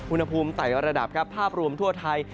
อุณหภูมิใต้ระดับภาพรวมทั่วไทย